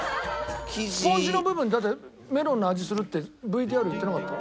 スポンジの部分だってメロンの味するってＶＴＲ言ってなかった？